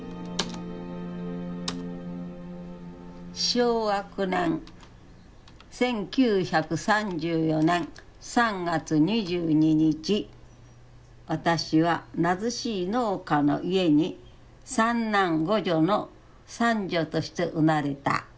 昭和９年１９３４年３月２２日私は貧しい農家の家に三男五女の三女として生まれた。